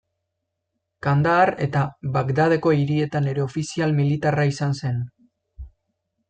Kandahar eta Bagdadeko hirietan ere ofizial militarra izan zen.